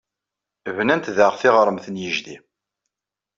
Bnant daɣ tiɣremt n yijdi.